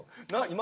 今。